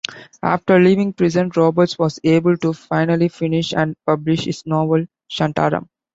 After leaving prison, Roberts was able to finally finish and publish his novel, "Shantaram".